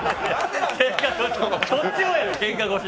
そっちもやろ、けんかごし。